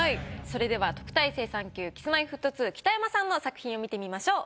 それでは特待生３級Ｋｉｓ−Ｍｙ−Ｆｔ２北山さんの作品を見てみましょう。